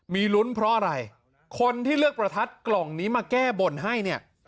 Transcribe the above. มีลุ้นเพราะอะไรคนที่เลือกประทัดกล่องนี้มาแก้บนให้เนี่ย